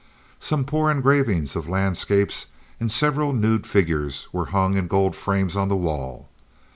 Some poor engravings of landscapes and several nude figures were hung in gold frames on the wall.